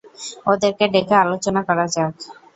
ওদেরকে ডেকে আলোচনা করা যাক।